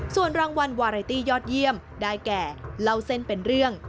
ส่วนรางวัลวาไรตี้ยอดเยี่ยมได้แก่เล่าเส้นเป็นเรื่อง